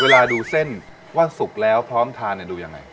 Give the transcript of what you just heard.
เวลาดูเส้นว่าสุกแล้วพร้อมทานดูยังไง